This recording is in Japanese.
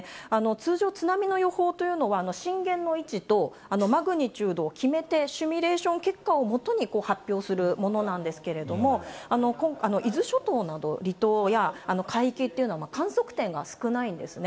通常、津波の予報というのは、震源の位置とマグニチュードを決めて、シミュレーション結果を基に発表するものなんですけれども、伊豆諸島など離島や、海域というのは観測点が少ないんですね。